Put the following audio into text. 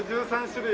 １３種類？